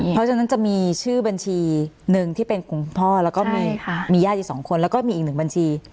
เพราะฉะนั้นจะมีชื่อบัญชีหนึ่งที่เป็นคุณพ่อแล้วก็มีญาติอีก๒คนแล้วก็มีอีกหนึ่งบัญชี